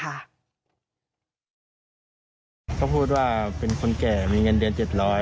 เขาพูดว่าเป็นคนแก่มีเงินเดือน๗๐๐